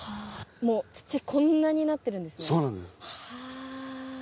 土こんなになってるんですね。